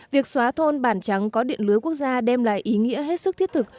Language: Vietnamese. việc xóa thôn bản trắng có điện lưới quốc gia đem lại ý nghĩa hết sức thiết thực